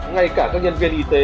ngay cả các nhân viên y tế